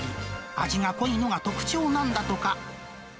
味が濃いのが特徴なんだとか。